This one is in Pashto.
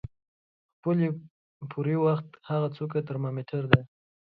خپلې پورې وخت هغه څوکه ترمامیټر د